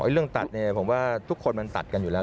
เรื่องตัดเนี่ยผมว่าทุกคนมันตัดกันอยู่แล้ว